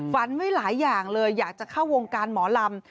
ไว้หลายอย่างเลยอยากจะเข้าวงการหมอลำ